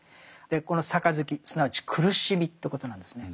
「この杯」すなわち苦しみということなんですね。